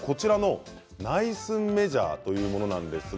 内寸メジャーというものです。